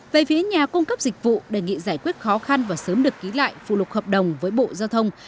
về phía nhà cung cấp dịch vụ đề nghị giải quyết khó khăn và sớm được ký lại phủ lục hợp đồng với bộ giao thông